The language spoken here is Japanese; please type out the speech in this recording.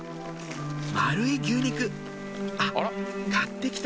丸い牛肉あっ買って来た